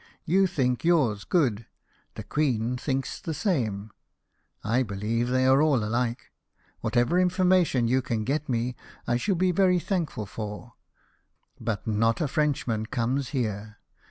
You think yours good ; the Queen thinks the same : I believe they are all alike. Whatever information you can get me, I shall be very thankful for ; but not a Frenchman comes here.